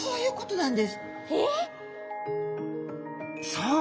そう！